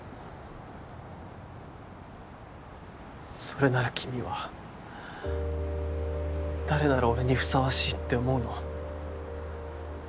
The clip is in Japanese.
それなら君は誰なら俺にふさわしいって思うの？